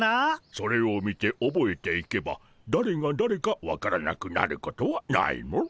それを見ておぼえていけばだれがだれか分からなくなることはないモ。